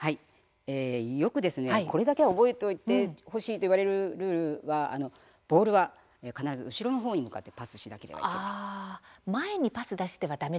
よくこれだけは覚えてほしいと言われるというルールがボールは必ず後ろの方に向かってパスしなければいけないということです。